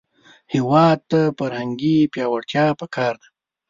هېواد ته فرهنګي پیاوړتیا پکار ده